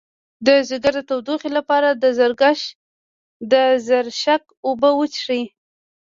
د ځیګر د تودوخې لپاره د زرشک اوبه وڅښئ